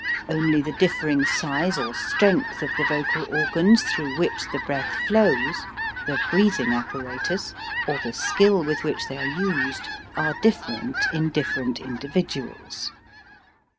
Only the differing size or strength of the vocal organs through which the breath flows, the breathing apparatus, or the skill with which they are used, are different hi different individ uals.